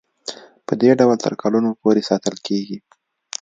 پدې ډول تر کلونو پورې ساتل کیږي.